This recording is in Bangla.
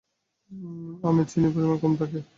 আমে চিনির পরিমাণ কম থাকে।